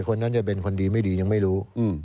ส่วนคนจะเป็นคนดียังไม่รู้